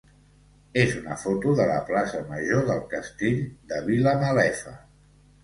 és una foto de la plaça major del Castell de Vilamalefa.